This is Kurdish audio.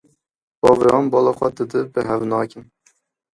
Bavê wan bala xwe didê, bi hev nakin.